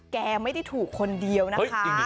แกไม่ได้ถูกคนเดียวนะคะ